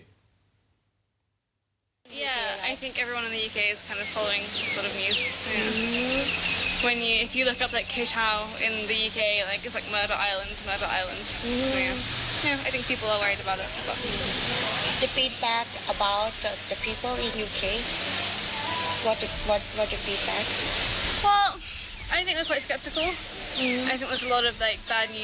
แต่ฉันคิดว่า